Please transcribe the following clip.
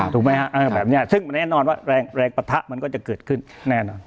ถูกไหมฮะแบบนี้ซึ่งมันแน่นอนว่าแรงปะทะมันก็จะเกิดขึ้นแน่นอน